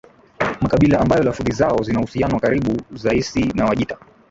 Makabila ambayo lafudhi zao zina uhusiano wa karibu zaisi na Wajita